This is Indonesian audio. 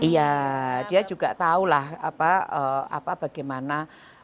iya dia juga tahulah apa bagaimana